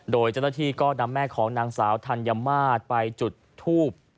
โดยเจ้าหน้าที่ก็นำแม่ของนางสาวธัญมาตรไปจุดทูบ